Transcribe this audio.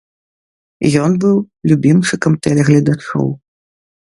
Ён быў любімчыкам тэлегледачоў.